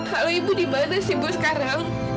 halo ibu di mana sih bu sekarang